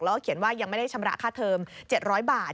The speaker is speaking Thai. แล้วก็เขียนว่ายังไม่ได้ชำระค่าเทอม๗๐๐บาท